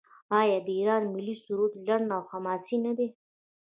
آیا د ایران ملي سرود لنډ او حماسي نه دی؟